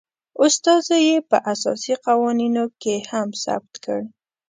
استازو یي په اساسي قوانینو کې هم ثبت کړ